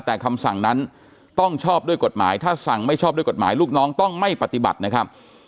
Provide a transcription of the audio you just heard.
แต่คำสั่งนั้นต้องชอบด้วยกฎหมายถ้าสั่งไม่ชอบด้วยกฎหมายลูกน้องต้องไม่ปฏิบัตินะครับ